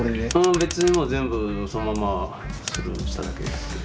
別にもう全部そのままスルーしただけですけど。